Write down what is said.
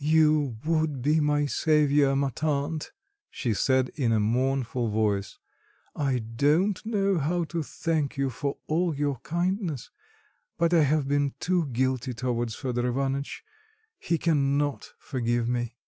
"You would be my saviour, ma tante," she said in a mournful voice: "I don't know how to thank you for all your kindness; but I have been too guilty towards Fedor Ivanitch; he can not forgive me."